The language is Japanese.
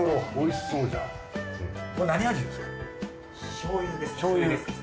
しょうゆです。